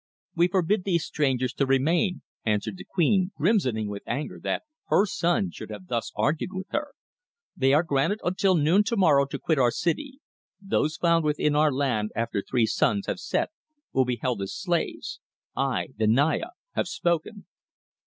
"We forbid these strangers to remain," answered the Queen, crimsoning with anger that her son should have thus argued with her. "They are granted until noon to morrow to quit our city. Those found within our land after three suns have set will be held as slaves. I, the Naya, have spoken."